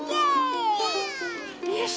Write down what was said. よし！